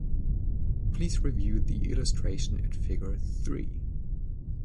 Please review the illustration at figure three.